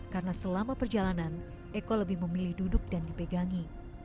karena selama perjalanan eko lebih memilih duduk dan dipegangi